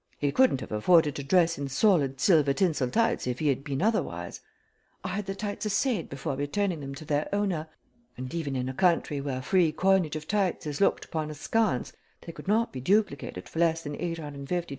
He couldn't have afforded to dress in solid silver tinsel tights if he had been otherwise. I had the tights assayed before returning them to their owner, and even in a country where free coinage of tights is looked upon askance they could not be duplicated for less than $850 at a ratio of 32 to 1.